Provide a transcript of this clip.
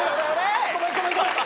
ごめんごめんごめん。